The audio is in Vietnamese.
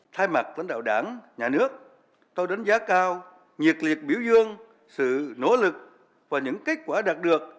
thay mặt lãnh đạo đảng nhà nước tôi đánh giá cao nhiệt liệt biểu dương sự nỗ lực và những kết quả đạt được